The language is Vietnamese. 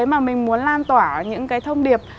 mà mình muốn lan tỏa những cái thông điệp